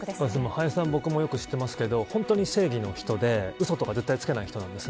林さん、僕もよく知ってますが本当に正義の人でうそとか絶対つけない人です。